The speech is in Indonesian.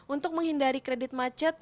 untuk menghindari kredit macet